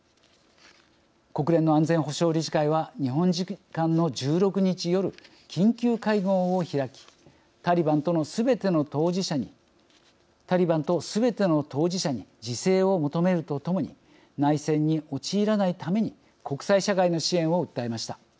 国連の安全保障理事会は日本時間の１６日夜緊急会合を開きタリバンとすべての当事者に自制を求めるとともに内戦に陥らないために国際社会の支援を訴えました。